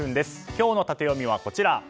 今日のタテヨミはこちら。